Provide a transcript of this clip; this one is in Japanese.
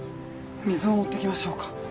水を持ってきましょうか？